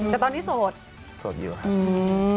แต่ตอนนี้โสดโสดอยู่ครับ